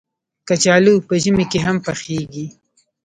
کچالو په ژمي کې هم پخېږي